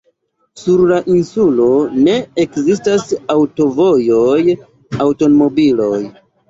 Sur la insulo ne ekzistas aŭtovojoj, aŭtomobiloj.